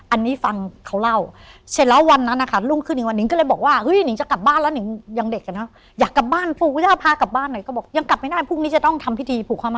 อันนี้ฟังเขาเล่าเสร็จแล้ววันนั้นนะคะ